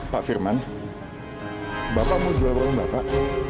pak firman bapak mau jual barang bapak